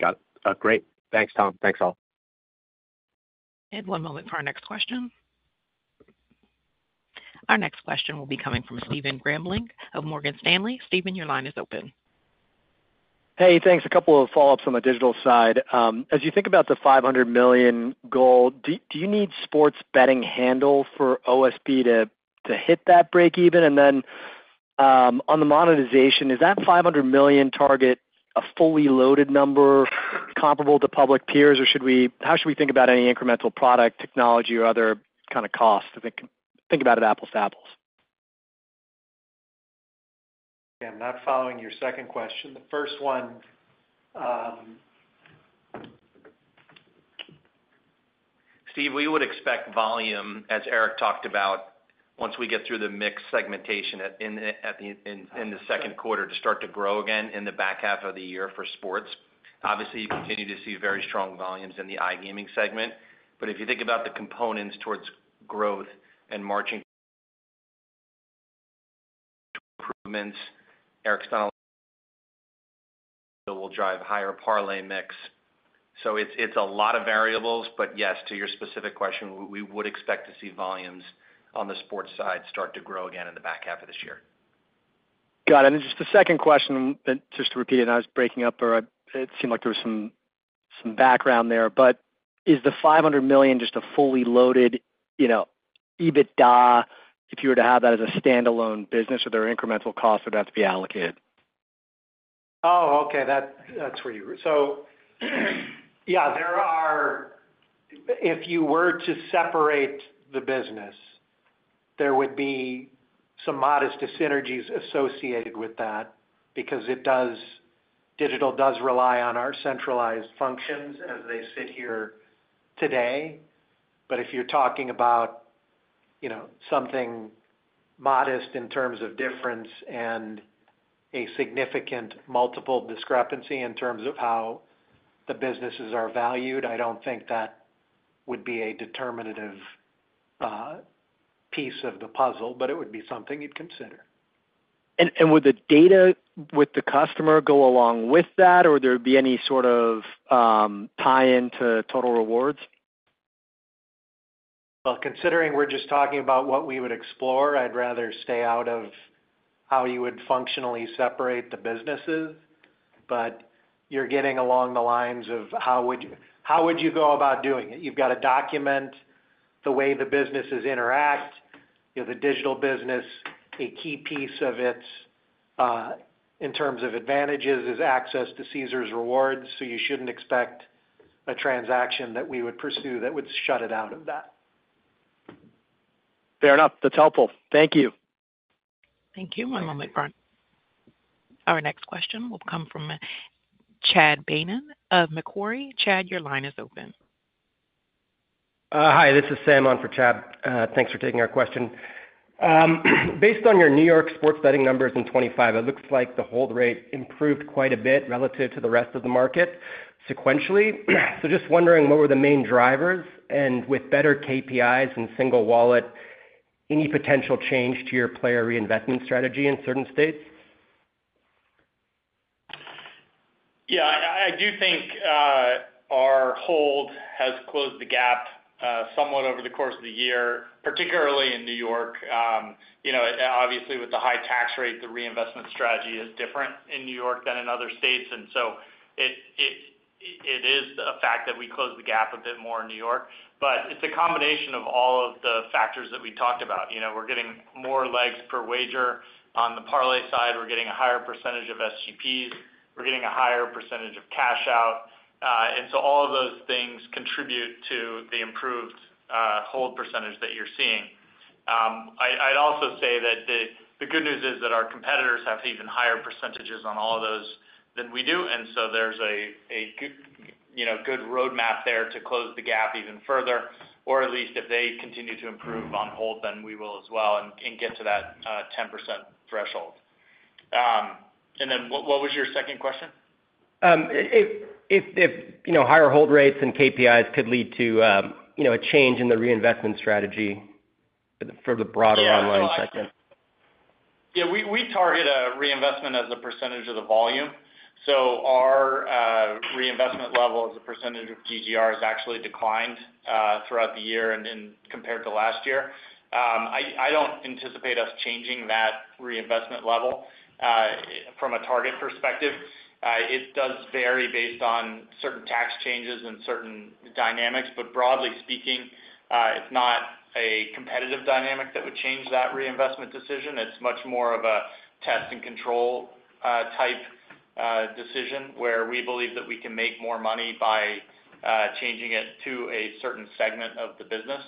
Got it. Great. Thanks, Tom. Thanks, all. And one moment for our next question. Our next question will be coming from Stephen Grambling of Morgan Stanley. Stephen, your line is open. Hey, thanks. A couple of follow-ups on the digital side. As you think about the $500 million goal, do you need sports betting handle for OSB to hit that breakeven? And then on the monetization, is that $500 million target a fully loaded number comparable to public peers, or how should we think about any incremental product technology or other kind of costs? Think about it apples to apples. Again, I'm not following your second question. The first one, Steve, we would expect volume, as Eric talked about, once we get through the mixed segmentation in the second quarter, to start to grow again in the back half of the year for sports. Obviously, you continue to see very strong volumes in the iGaming segment. But if you think about the components towards growth and margin improvements, Eric's done a lot that will drive higher parlay mix. So it's a lot of variables, but yes, to your specific question, we would expect to see volumes on the sports side start to grow again in the back half of this year. Got it. And then just the second question, just to repeat it, I was breaking up or it seemed like there was some background there, but is the $500 million just a fully loaded EBITDA if you were to have that as a standalone business or there are incremental costs that would have to be allocated? Oh, okay. That's where you were. So yeah, if you were to separate the business, there would be some modest synergies associated with that because digital does rely on our centralized functions as they sit here today. But if you're talking about something modest in terms of difference and a significant multiple discrepancy in terms of how the businesses are valued, I don't think that would be a determinative piece of the puzzle, but it would be something you'd consider. And would the data with the customer go along with that, or would there be any sort of tie-in to Caesars Rewards? Well, considering we're just talking about what we would explore, I'd rather stay out of how you would functionally separate the businesses. But you're getting along the lines of how would you go about doing it? You've got to document the way the businesses interact. The digital business, a key piece of its in terms of advantages, is access to Caesars Rewards, so you shouldn't expect a transaction that we would pursue that would shut it out of that. Fair enough. That's helpful. Thank you. Thank you. One moment for our next question will come from Chad Beynon of Macquarie. Chad, your line is open. Hi. This is Sam on for Chad. Thanks for taking our question. Based on your New York sports betting numbers in 2025, it looks like the hold rate improved quite a bit relative to the rest of the market sequentially. So just wondering what were the main drivers? And with better KPIs and single wallet, any potential change to your player reinvestment strategy in certain states? Yeah. I do think our hold has closed the gap somewhat over the course of the year, particularly in New York. Obviously, with the high tax rate, the reinvestment strategy is different in New York than in other states. And so it is a fact that we closed the gap a bit more in New York. But it's a combination of all of the factors that we talked about. We're getting more legs per wager on the parlay side. We're getting a higher percentage of SGPs. We're getting a higher percentage of cash out. And so all of those things contribute to the improved hold percentage that you're seeing. I'd also say that the good news is that our competitors have even higher percentages on all of those than we do. And so there's a good roadmap there to close the gap even further, or at least if they continue to improve on hold, then we will as well and get to that 10% threshold. And then what was your second question? If higher hold rates and KPIs could lead to a change in the reinvestment strategy for the broader online sector. Yeah. We target reinvestment as a percentage of the volume. So our reinvestment level as a percentage of GGR has actually declined throughout the year and compared to last year. I don't anticipate us changing that reinvestment level from a target perspective. It does vary based on certain tax changes and certain dynamics. But broadly speaking, it's not a competitive dynamic that would change that reinvestment decision. It's much more of a test and control type decision where we believe that we can make more money by changing it to a certain segment of the business.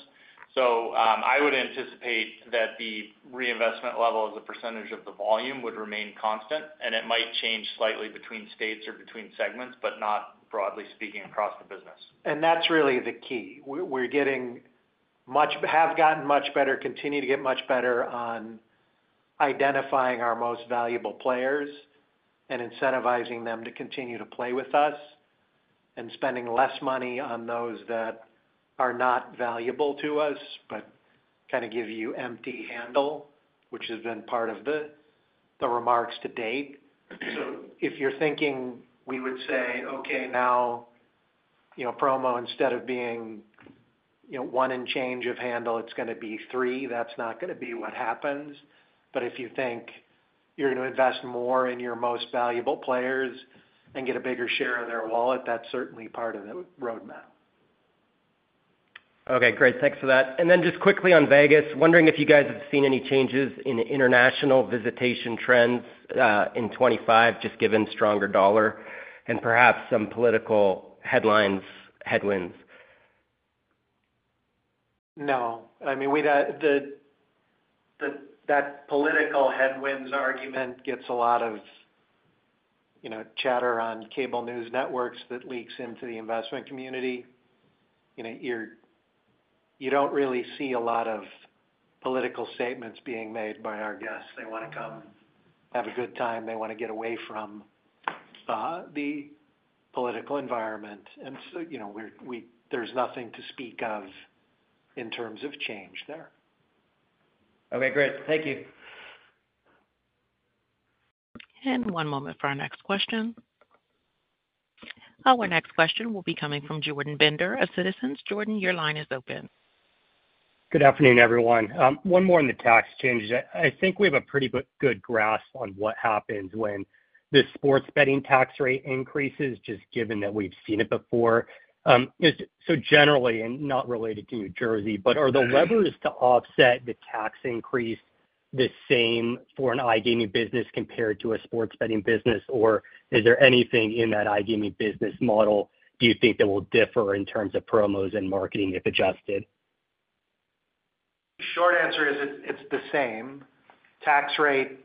So I would anticipate that the reinvestment level as a percentage of the volume would remain constant, and it might change slightly between states or between segments, but not broadly speaking across the business. And that's really the key. We have gotten much better, continue to get much better on identifying our most valuable players and incentivizing them to continue to play with us and spending less money on those that are not valuable to us, but kind of give you empty handle, which has been part of the remarks to date. So if you're thinking, we would say, "Okay, now promo," instead of being one and change of handle, it's going to be three. That's not going to be what happens. But if you think you're going to invest more in your most valuable players and get a bigger share of their wallet, that's certainly part of the roadmap. Okay. Great. Thanks for that. And then just quickly on Vegas, wondering if you guys have seen any changes in international visitation trends in 2025, just given stronger dollar and perhaps some political headlines, headwinds? No. I mean, that political headwinds argument gets a lot of chatter on cable news networks that leaks into the investment community. You don't really see a lot of political statements being made by our guests. They want to come have a good time. They want to get away from the political environment. And so there's nothing to speak of in terms of change there. Okay. Great. Thank you. And one moment for our next question. Our next question will be coming from Jordan Bender of Citizens. Jordan, your line is open. Good afternoon, everyone. One more on the tax changes. I think we have a pretty good grasp on what happens when the sports betting tax rate increases, just given that we've seen it before. So generally, and not related to New Jersey, but are the levers to offset the tax increase the same for an iGaming business compared to a sports betting business, or is there anything in that iGaming business model do you think that will differ in terms of promos and marketing if adjusted? Short answer is it's the same. Tax rate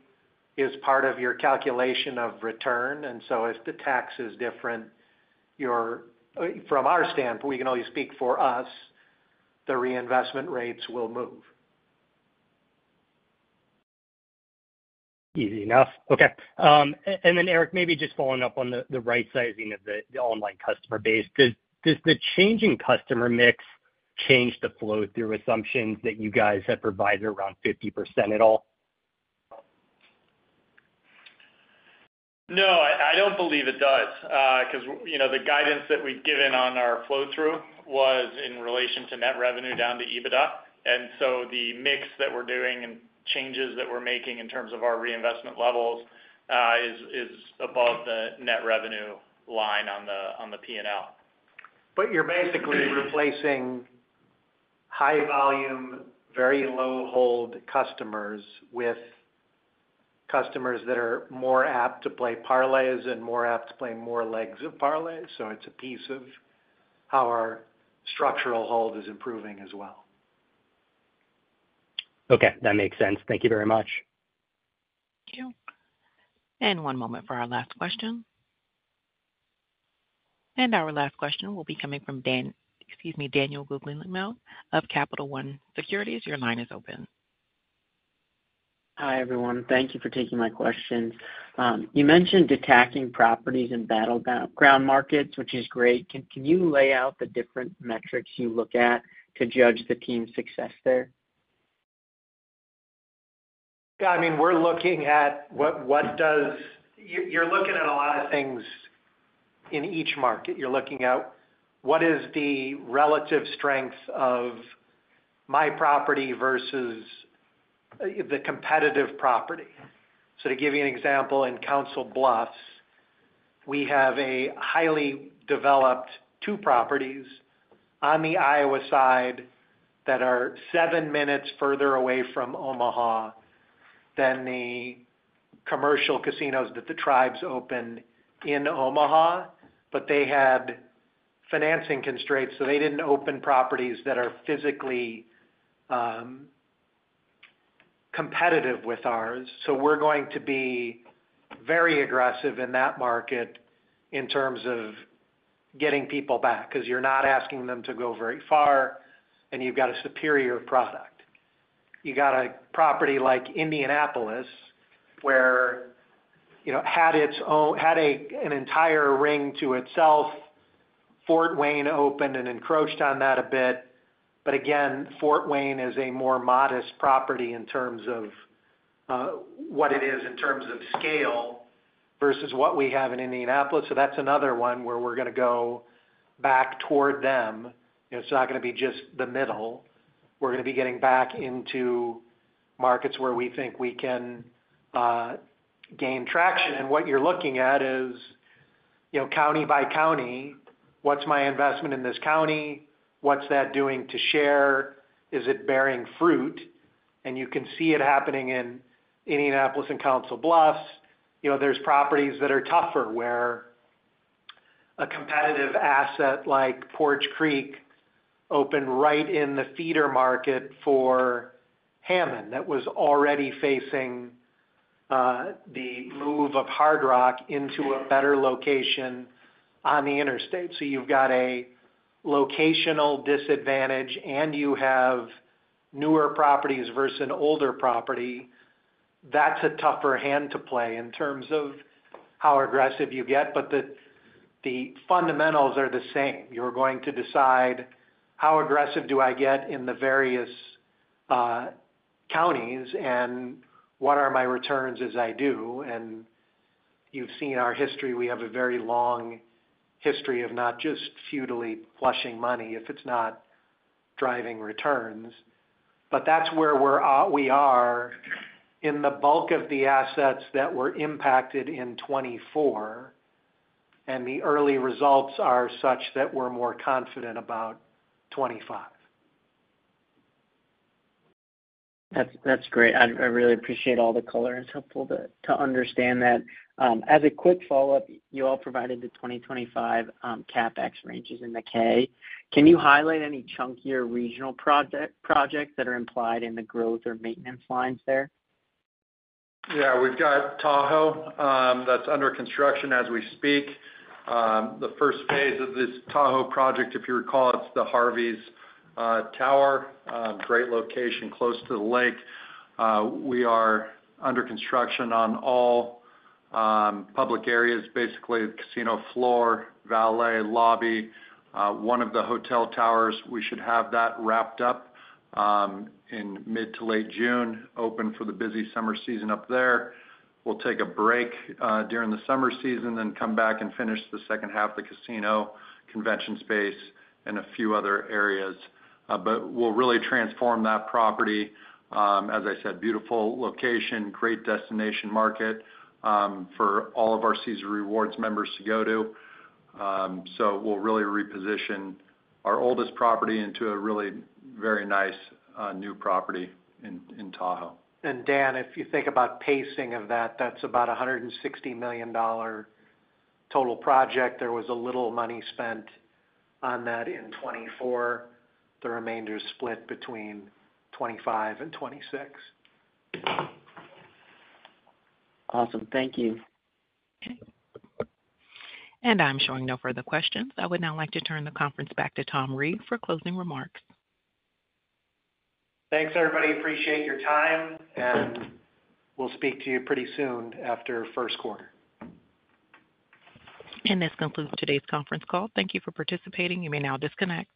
is part of your calculation of return. And so if the tax is different, from our standpoint, we can only speak for us, the reinvestment rates will move. Easy enough. Okay. And then, Eric, maybe just following up on the right-sizing of the online customer base, does the changing customer mix change the flow-through assumptions that you guys have provided around 50% at all? No, I don't believe it does because the guidance that we've given on our flow-through was in relation to net revenue down to EBITDA. And so the mix that we're doing and changes that we're making in terms of our reinvestment levels is above the net revenue line on the P&L. But you're basically replacing high-volume, very low-hold customers with customers that are more apt to play parlays and more apt to play more legs of parlay. So it's a piece of how our structural hold is improving as well. Okay. That makes sense. Thank you very much. Thank you. And one moment for our last question. And our last question will be coming from Daniel Guglielmo of Capital One Securities. Your line is open. Hi, everyone. Thank you for taking my question. You mentioned attacking properties in battleground markets, which is great. Can you lay out the different metrics you look at to judge the team's success there? Yeah. I mean, we're looking at what you're looking at a lot of things in each market. You're looking at what is the relative strength of my property versus the competitive property. So to give you an example, in Council Bluffs, we have a highly developed two properties on the Iowa side that are seven minutes further away from Omaha than the commercial casinos that the tribes open in Omaha, but they had financing constraints, so they didn't open properties that are physically competitive with ours. So we're going to be very aggressive in that market in terms of getting people back because you're not asking them to go very far, and you've got a superior product. You got a property like Indianapolis where it had an entire ring to itself. Fort Wayne opened and encroached on that a bit. But again, Fort Wayne is a more modest property in terms of what it is in terms of scale versus what we have in Indianapolis. So that's another one where we're going to go back toward them. It's not going to be just the middle. We're going to be getting back into markets where we think we can gain traction. And what you're looking at is county by county, what's my investment in this county? What's that doing to share? Is it bearing fruit? And you can see it happening in Indianapolis and Council Bluffs. There's properties that are tougher where a competitive asset like Poarch Creek opened right in the feeder market for Hammond that was already facing the move of Hard Rock into a better location on the interstate. So you've got a locational disadvantage, and you have newer properties versus an older property. That's a tougher hand to play in terms of how aggressive you get. But the fundamentals are the same. You're going to decide how aggressive do I get in the various counties and what are my returns as I do. And you've seen our history. We have a very long history of not just futilely flushing money if it's not driving returns. But that's where we are in the bulk of the assets that were impacted in 2024, and the early results are such that we're more confident about 2025. That's great. I really appreciate all the color. It's helpful to understand that. As a quick follow-up, you all provided the 2025 CapEx ranges in the K. Can you highlight any chunkier regional projects that are implied in the growth or maintenance lines there? Yeah. We've got Tahoe that's under construction as we speak. The first phase of this Tahoe project, if you recall, it's the Harveys Tower, great location close to the lake. We are under construction on all public areas, basically the casino floor, valet, lobby, one of the hotel towers. We should have that wrapped up in mid to late June, open for the busy summer season up there. We'll take a break during the summer season, then come back and finish the second half of the casino, convention space, and a few other areas. But we'll really transform that property. As I said, beautiful location, great destination market for all of our Caesars Rewards members to go to. So we'll really reposition our oldest property into a really very nice new property in Tahoe. Dan, if you think about pacing of that, that's about a $160 million total project. There was a little money spent on that in 2024. The remainder is split between 2025 and 2026. Awesome. Thank you. Okay. And I'm showing no further questions. I would now like to turn the conference back to Tom Reeg for closing remarks. Thanks, everybody. Appreciate your time. And we'll speak to you pretty soon after first quarter. And this concludes today's conference call. Thank you for participating. You may now disconnect.